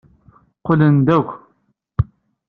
Qqlen-d akk.